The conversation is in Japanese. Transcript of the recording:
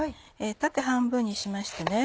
縦半分にしまして。